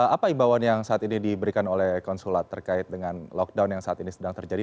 apa imbauan yang saat ini diberikan oleh konsulat terkait dengan lockdown yang saat ini sedang terjadi